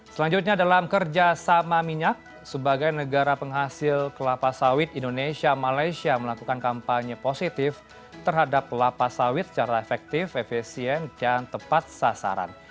selanjutnya dalam kerjasama minyak sebagai negara penghasil kelapa sawit indonesia malaysia melakukan kampanye positif terhadap kelapa sawit secara efektif efisien dan tepat sasaran